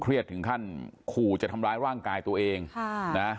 ถึงขั้นขู่จะทำร้ายร่างกายตัวเองค่ะนะ